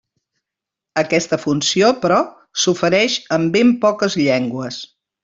Aquesta funció, però, s'ofereix en ben poques llengües.